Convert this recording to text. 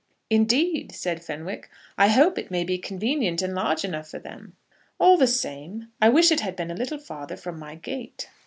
"Indeed," said Fenwick. "I hope it may be convenient and large enough for them. All the same, I wish it had been a little farther from my gate."